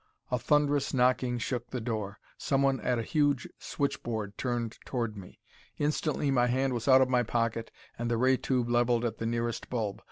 A thunderous knocking shook the door. Someone at a huge switchboard turned toward me. Instantly my hand was out of my pocket, and the ray tube leveled at the nearest bulb.